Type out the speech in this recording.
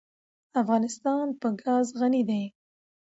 افغانستان په ګاز غني دی.